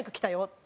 って。